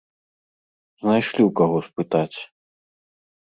Знайшлі ў каго спытаць!